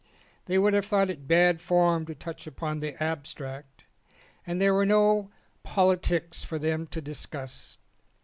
They would have thought it bad form to touch upon the abstract and there were no politics for them to discuss.